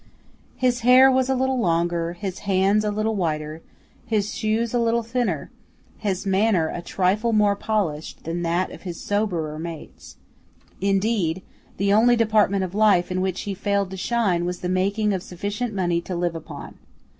His hair was a little longer, his hands a little whiter, his shoes a little thinner, his manner a trifle more polished, than that of his soberer mates; indeed the only department of life in which he failed to shine was the making of sufficient money to live upon.